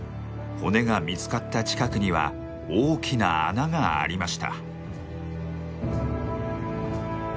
骨が見つかった近くには大きな穴がありました。